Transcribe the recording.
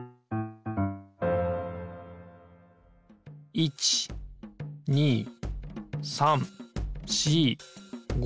１２３４５６。